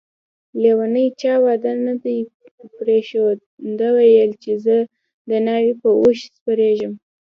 لیونی چا واده کی نه پریښود ده ويل چي زه دناوی په اوښ سپریږم